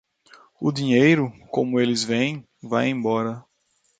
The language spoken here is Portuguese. O dinheiro, como eles vêm, vai embora.